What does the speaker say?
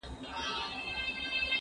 زه پرون کتابونه ليکم؟!